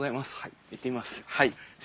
行ってみます。